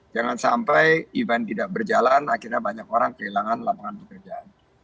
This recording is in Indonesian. jangan sampai event tidak berjalan akhirnya banyak orang kehilangan lapangan pekerjaan